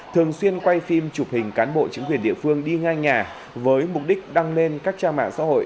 thường xuyên quay phim chụp hình cán bộ chính quyền địa phương đi ngay nhà với mục đích đăng lên các trang mạng xã hội